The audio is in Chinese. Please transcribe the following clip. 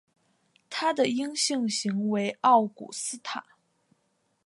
它的阴性型为奥古斯塔。